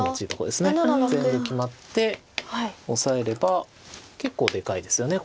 全部決まってオサえれば結構でかいですよね